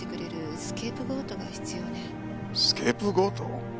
スケープゴート？